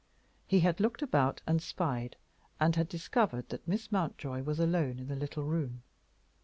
He had looked about and spied, and had discovered that Miss Mountjoy was alone in the little room.